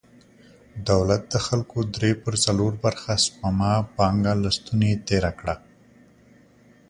دولت د خلکو درې پر څلور برخه سپما پانګه له ستونې تېره کړه.